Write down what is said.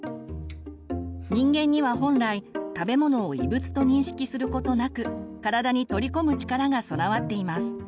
人間には本来食べ物を異物と認識することなく体に取り込む力が備わっています。